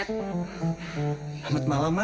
selamat malam mak